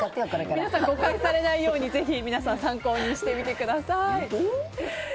皆さん、誤解されないように参考にしてみてください。